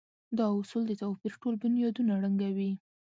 دا اصول د توپير ټول بنيادونه ړنګوي.